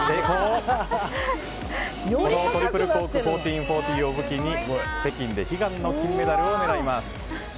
このトリプルコーク１４４０を武器に北京で悲願の金メダルを狙います。